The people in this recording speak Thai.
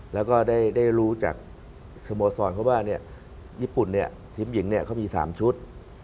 แล้วก็ได้รู้จากสโมสรเขาว่าญี่ปุ่นเนี่ยทีมหญิงเขามี๓ชุด